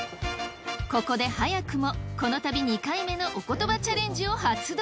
ここで早くもこの旅２回目のおことばチャレンジを発動。